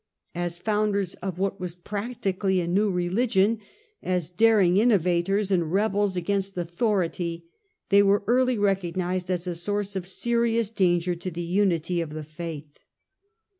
As founders of what was practically a new religion, as daring innovators and rebels against authority, they were early recognized as a source of serious danger to the unity of the faith.